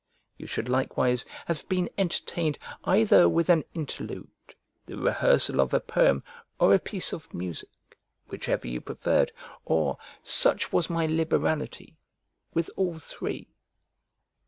You should likewise have been entertained either with an interlude, the rehearsal of a poem, or a piece of music, whichever you preferred; or (such was my liberality) with all three.